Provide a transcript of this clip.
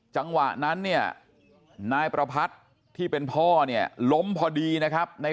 จังหวะนั้นเนี่ยนายประพัทธ์ที่เป็นพ่อเนี่ยล้มพอดีนะครับ